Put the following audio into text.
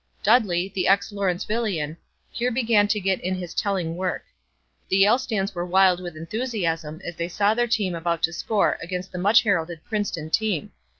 Dudley, the ex Lawrencevillian, here began to get in his telling work. The Yale stands were wild with enthusiasm as they saw their team about to score against the much heralded Princeton team.